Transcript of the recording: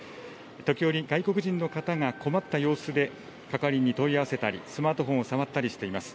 時折、外国人の方が困った様子で、係員に問い合わせたり、スマートフォンを触ったりしています。